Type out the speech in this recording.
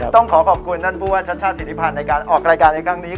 ต้องขอขอบคุณท่านผู้ว่าชาติชาติศิริพันธ์ในการออกรายการในครั้งนี้